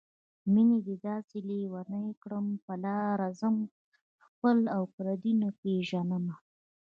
مينې دې داسې لېونی کړم په لاره ځم خپل او پردي نه پېژنمه